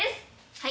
はい！